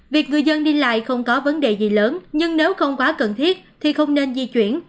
việc người dân đi lại không có vấn đề gì lớn nhưng nếu không quá cần thiết thì không nên di chuyển